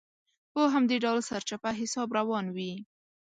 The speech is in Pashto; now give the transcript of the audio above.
په همدې ډول سرچپه حساب روان وي.